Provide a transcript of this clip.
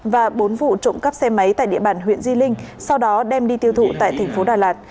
và bốn vụ trộm cắp xe máy tại địa bàn huyện di linh sau đó đem đi tiêu thụ tại thành phố đà lạt